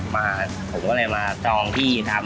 มาผมก็เลยมาจองที่ทำ